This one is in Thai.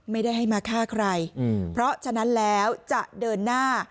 ไม่ได้ให้มาฆ่าใครเพราะฉะนั้นแล้วจะเดินหน้า